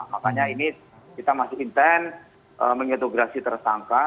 makanya ini kita masih intens mengintegrasi tersangka